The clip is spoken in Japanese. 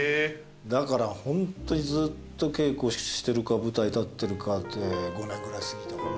だからホントにずっと稽古してるか舞台立ってるかで５年ぐらい過ぎたかな。